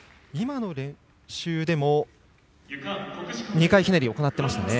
練習でも２回ひねりを行ってましたね。